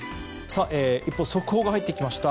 一方、速報が入ってきました。